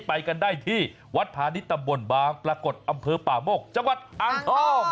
ไปกันได้ที่วัดพาณิชย์ตำบลบางปรากฏอำเภอป่าโมกจังหวัดอ่างทอง